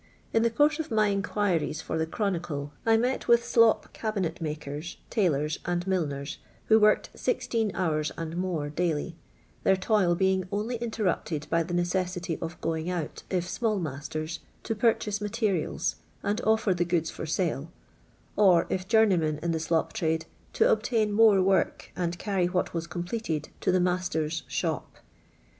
In the course of my inquiries for the Chronicle, I met with slop cabinet makers, tailors, and milliners who worked sixteen hours and more daily, their toil being only interrupted by the necessity of going out, if small masters, to purchase materials, and offer the goods for sale; or, if journeymen in the slop trade, to obtain more work and carry what was completed to the master's shop.